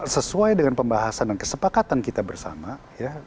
sesuai dengan pembahasan dan kesepakatan kita bersama ya